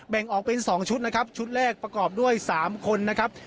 แบ่งออกเป็น๒ชุดนะครับชุดแรกประกอบด้วย๓คนนะครับ